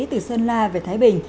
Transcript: từ sơn la về thái bình